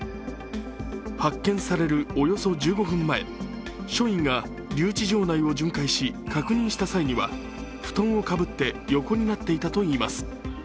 発見されるおよそ１５分前、署員が留置場内を巡回し確認した際には、布団をかぶって横になっていたといいます。